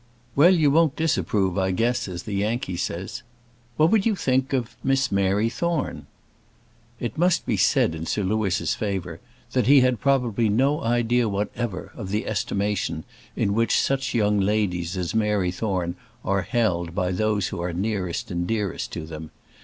"Well, you won't disapprove, I guess, as the Yankee says. What would you think of Miss Mary Thorne?" It must be said in Sir Louis's favour that he had probably no idea whatever of the estimation in which such young ladies as Mary Thorne are held by those who are nearest and dearest to them.